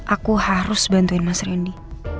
aku harus bantuin mas randy